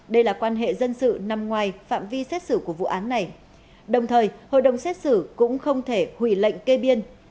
đây là quan hệ dân sự nằm ngoài phạm vi xét xử của vụ án này đồng thời hội đồng xét xử cũng không thể hủy lệnh kê biên